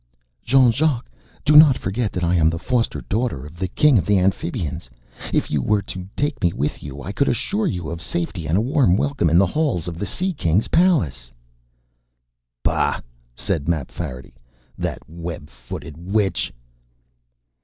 "Jean Jacques, do not forget that I am the foster daughter of the King of the Amphibians! If you were to take me with you, I could assure you of safety and a warm welcome in the halls of the Sea King's Palace!" "Pah!" said Mapfarity. "That web footed witch!"